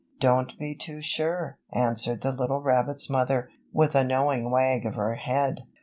"Don't be too sure," answered the little rabbit's mother, with a knowing wag of her head.